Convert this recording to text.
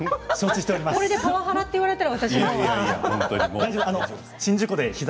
これでパワハラと言われたら。